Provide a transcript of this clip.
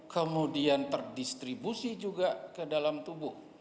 kemudian terdistribusi juga ke dalam tubuh